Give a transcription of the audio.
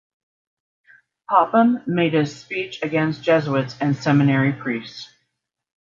Popham made a speech against Jesuits and seminary priests.